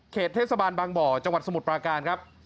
เทศบาลบางบ่อจังหวัดสมุทรปราการครับ